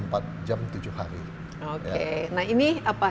nah ini apa yang kita lihat ini